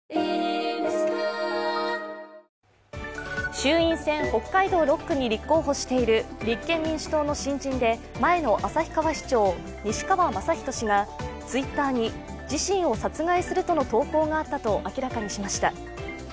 衆院選北海道６区に立候補している立憲民主党の新人で前の旭川市長、西川将人氏がＴｗｉｔｔｅｒに自身を殺害するとの投稿があったと明らかにしました。